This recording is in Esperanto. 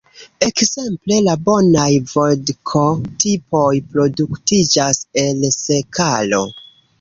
Ekzemple la bonaj vodko-tipoj produktiĝas el sekalo.